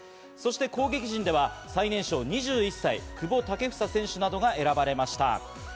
攻撃陣では最年少２１歳、久保建英選手などが選ばれました。